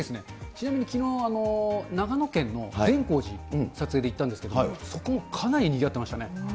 ちなみにきのう、長野県のぜんこう寺、撮影で行ったんですけれども、そこもかなりにぎわってましたね。